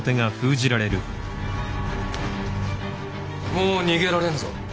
もう逃げられんぞ。